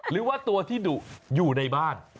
หรือว่าตัวที่ดุอยู่ในบ้าน